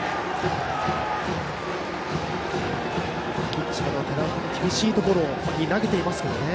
ピッチャーの寺尾君も厳しいところに投げていますけどね。